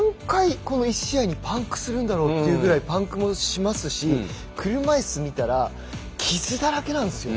この１試合にパンクするんだろうというくらいパンクもしますし車いす見たら傷だらけなんですよ。